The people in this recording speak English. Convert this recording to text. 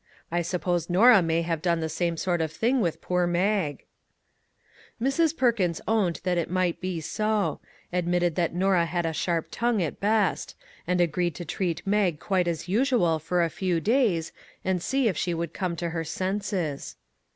I suppose Norah may have done the same sort of thing with poor Mag." 87 MAG AND MARGARET Mrs. Perkins owned that it might be so ; ad mitted that Norah had a sharp tongue, at best ; and agreed to treat Mag quite as usual for a few days, and see if she would come to her senses.